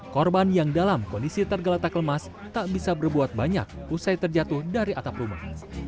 korban yang dalam kondisi tergeletak lemas tak bisa berbuat banyak usai terjatuh dari atap rumah